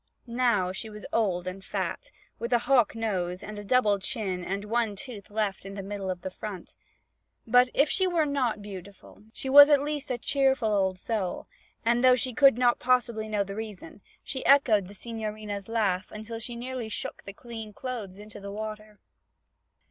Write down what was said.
Now she was old and fat, with a hawk nose and a double chin and one tooth left in the middle of the front. But if she were not beautiful, she was at least a cheerful old soul, and, though she could not possibly know the reason, she echoed the signorina's laugh until she nearly shook the clean clothes into the water.